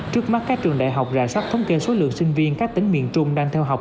trước mắt các trường đại học rà sát thống kê số lượng sinh viên các tỉnh miền trung đang theo học